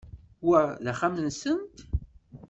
Wa d axxam-nsent?